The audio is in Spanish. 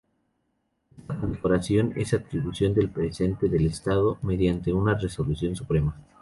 Esta condecoración es atribución del Presidente del Estado, mediante una Resolución Suprema.